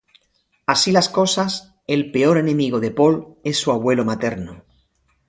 Así las cosas, el peor enemigo de Paul es su abuelo materno.